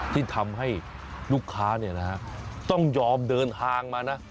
ที่ทำให้ลูกค้าต้องยอมเดินทางมานะ